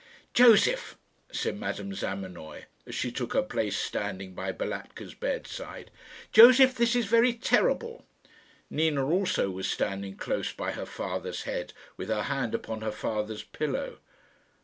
"Josef," said Madame Zamenoy, as she took her place standing by Balatka's bedside "Josef, this is very terrible." Nina also was standing close by her father's head, with her hand upon her father's pillow.